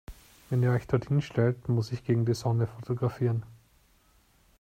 Wenn ihr euch dort hinstellt, muss ich gegen die Sonne fotografieren.